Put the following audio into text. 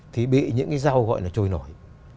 thì bị những cái rau gọi là trôi nổi